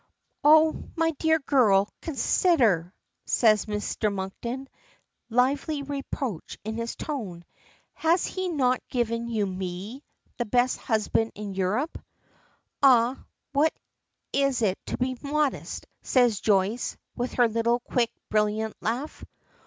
"Oh, my dear girl, consider!" says Mr. Monkton, lively reproach in his tone. "Has he not given you me, the best husband in Europe?" "Ah, what it is to be modest," says Joyce, with her little quick brilliant laugh.